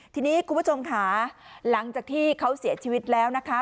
ทีนี้คุณผู้ชมค่ะหลังจากที่เขาเสียชีวิตแล้วนะคะ